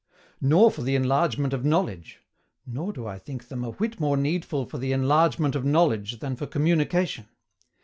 NOR FOR THE ENLARGEMENT OF KNOWLEDGE. Nor do I think them a whit more needful for the ENLARGEMENT OF KNOWLEDGE than for COMMUNICATION.